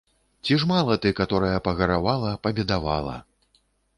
Ці ж мала ты каторая пагаравала, пабедавала?